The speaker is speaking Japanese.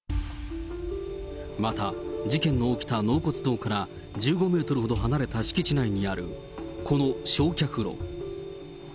また事件が起きた納骨堂から１５メートルほど離れた敷地内にあるこの焼却炉。